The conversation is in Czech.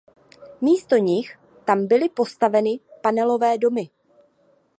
Místo nich tam byly postaveny panelové domy.